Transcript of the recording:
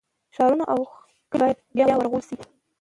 ښارونه او کلي باید بیا ورغول شي.